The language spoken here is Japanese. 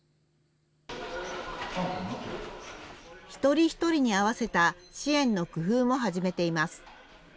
一人一人に合わせた支援の工夫も始めています。